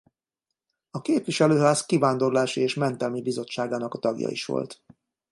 A képviselőház kivándorlási és mentelmi bizottságának a tagja is volt.